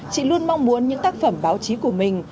chị luôn mong muốn những tác phẩm báo chí của mình